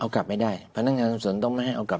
เอากลับไม่ได้พนักงานส่วนต้องไม่ให้เอากลับ